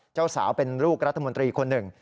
เจ้าสาวเป็นลูกรัฐมนตรีคนหนึ่ง